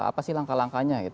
apa sih langkah langkahnya